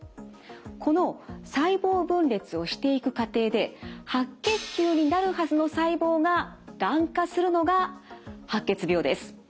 この細胞分裂をしていく過程で白血球になるはずの細胞ががん化するのが白血病です。